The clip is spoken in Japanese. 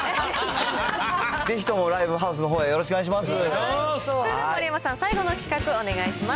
ぜひともライブハウスのほうへよろしくお願いします。